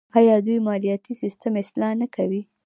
آیا دوی مالیاتي سیستم اصلاح نه کوي؟